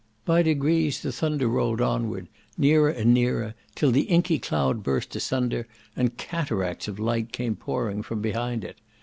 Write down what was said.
By degrees the thunder rolled onward, nearer and nearer, till the inky cloud burst asunder, and cataracts of light came pouring from behind it.